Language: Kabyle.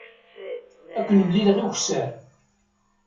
Ad ken-mlileɣ ukessar.